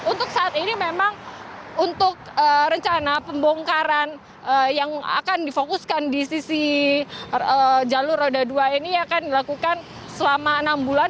untuk saat ini memang untuk rencana pembongkaran yang akan difokuskan di sisi jalur roda dua ini akan dilakukan selama enam bulan